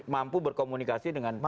mampu berkomunikasi dengan rakyat